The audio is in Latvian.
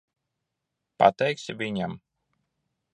Pateiksi viņam?